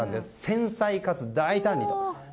繊細かつ大胆にと。